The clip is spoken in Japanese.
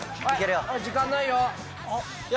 時間ないよ。